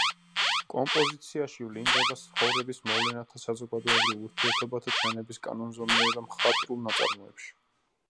კომპოზიციაში ვლინდება ცხოვრების მოვლენათა, საზოგადოებრივ ურთიერთობათა ჩვენების კანონზომიერება მხატვრულ ნაწარმოებში.